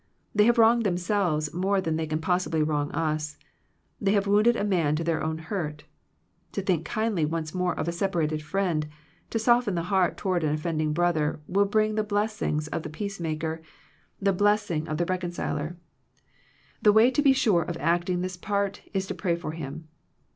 They have wronged them* selves more than they can possibly wrong us; they have wounded a man to their own hurt To think kindly once more of a separated friend, to soften the heart toward an offending brother, will bring the blessing of the Peacermaker, the bless 182 Digitized by VjOOQIC THE RENEWING OF FRIENDSHIP ing of the Reconciler. The way to be sure of acting this part is to pray for him.